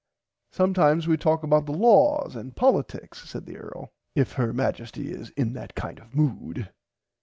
Sometimes we talk about the laws and politics said the earl if Her Majesty is in that kind of a mood.